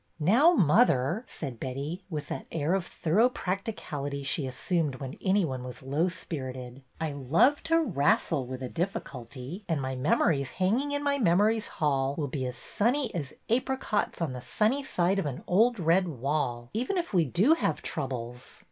" Now, mother," said Betty, with that air of thorough practicality she assumed when any one was low spirited, " I love to ' wrastle ' with a diffi culty, and my memories hanging in my memory's hall will be as sunny as apricots on the sunny side of an old red wall, even if we do have troubles.